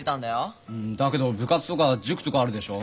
だけど部活とか塾とかあるでしょ。